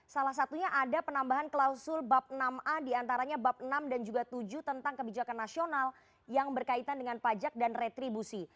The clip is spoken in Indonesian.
salah satunya ada penambahan klausul bab enam a diantaranya bab enam dan juga tujuh tentang kebijakan nasional yang berkaitan dengan pajak dan retribusi